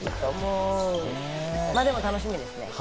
まぁでも楽しみですね。